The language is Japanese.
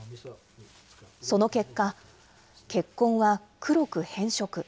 その結果、血痕は黒く変色。